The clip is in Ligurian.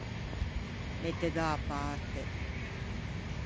Mette da-a parte.